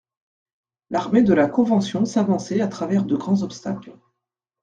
L'armée de la Convention s'avançait à travers de grands obstacles.